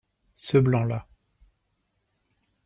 Ce blanc-là.